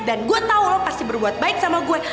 dan gue tau lo pasti berbuat baik sama gue